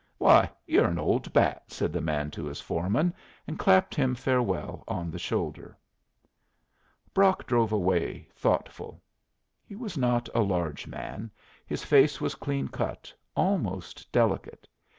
"Why, you're an old bat!" said the boy to his foreman, and clapped him farewell on the shoulder. Brock drove away, thoughtful. He was not a large man. His face was clean cut, almost delicate.